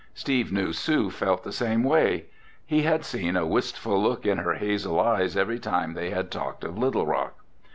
Steve knew Sue felt the same way. He had seen a wistful look in her hazel eyes every time they had talked of Little Rock.